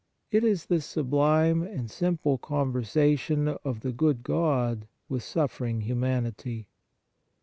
It is the sublime and simple conver sation of the good God with suffering humanity.